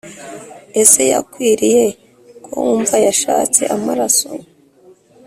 ese yakwiriye ko wumva yashatse amaraso,